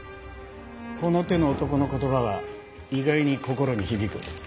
この手の男の言葉は意外に心に響く。